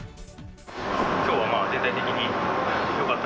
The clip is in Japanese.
きょうはまあ、全体的によかった。